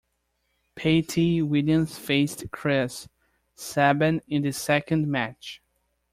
Petey Williams faced Chris Sabin in the second match.